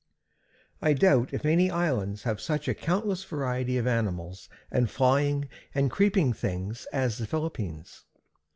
I doubt if any islands have such a countless variety of animals and flying and creeping things as the Philippines.